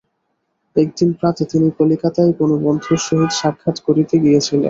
একদিন প্রাতে তিনি কলিকাতায় কোন বন্ধুর সহিত সাক্ষাৎ করিতে গিয়াছিলেন।